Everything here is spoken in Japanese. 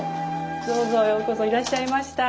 どうぞようこそいらっしゃいました。